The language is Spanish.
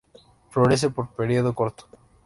Florece por período corto.